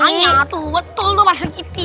ayatuh betul tuh pak srik giti